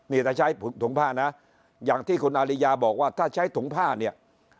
นี่ถ้าใช้ถุงผ้านะอย่างที่คุณอาริยาบอกว่าถ้าใช้ถุงผ้าเนี่ย